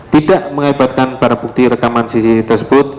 tidak menghebatkan barang bukti rekaman cctv tersebut